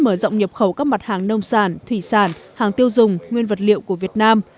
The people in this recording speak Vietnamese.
mở rộng nhập khẩu các mặt hàng nông sản thủy sản hàng tiêu dùng nguyên vật liệu của việt nam